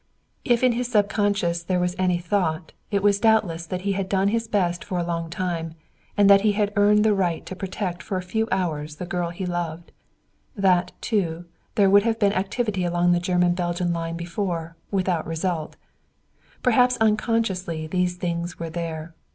If in his subconsciousness there was any thought it was doubtless that he had done his best for a long time, and that he had earned the right to protect for a few hours the girl he loved. That, too, there had been activity along the German Belgian line before, without result. Perhaps subconsciously those things were there.